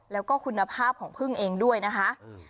แล้วก็คุณภาพของพึ่งเองด้วยนะคะ